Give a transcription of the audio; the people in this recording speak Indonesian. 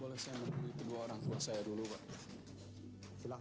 boleh saya mengambil dua orang kuasai dulu pak